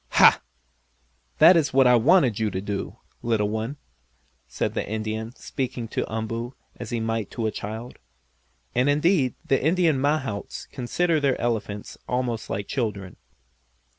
"Ha! That is what I wanted you to do, little one," said the Indian, speaking to Umboo as he might to a child. And indeed the Indian mahouts consider their elephants almost like children.